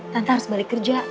tante harus balik kerja